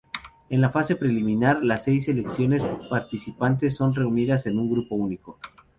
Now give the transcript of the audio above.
En la fase preliminar las seis selecciones participantes son reunidas en un grupo único.